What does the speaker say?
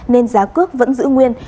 nên giá cước vẫn giữ nguyên